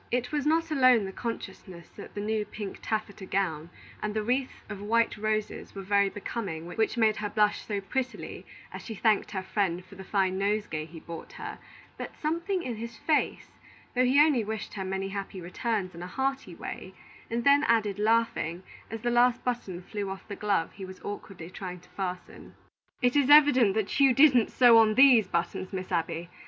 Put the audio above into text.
It was not alone the consciousness that the new pink taffeta gown and the wreath of white roses were very becoming which made her blush so prettily as she thanked her friend for the fine nosegay he brought her, but something in his face, though he only wished her many happy returns in a hearty way, and then added, laughing, as the last button flew off the glove he was awkwardly trying to fasten, "It is evident that you didn't sew on these buttons, Miss Abby.